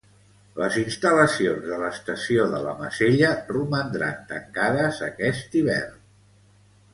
Les instal·lacions de l'estació de la Masella romandran tancades aquest hivern.